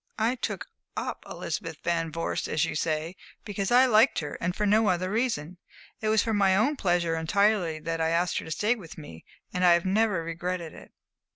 I 'took up' Elizabeth Van Vorst, as you say, because I liked her, and for no other reason. It was for my own pleasure entirely that I asked her to stay with me, and I have never regretted it."